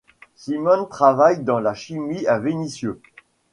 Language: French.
Simone travaille dans la chimie à Vénissieux.